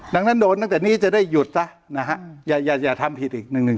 หลังนั้นโดนนั้นแต่นี่จะได้หยุดนะอย่าทำผิดอีก๑๒